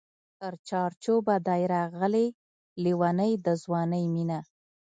تر چار چوبه دی راغلې لېونۍ د ځوانۍ مینه